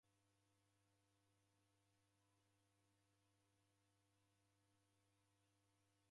Daw'ida mwaw'a kihi ichi kimu?